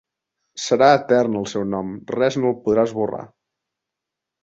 Serà etern el seu nom, res no el podrà esborrar.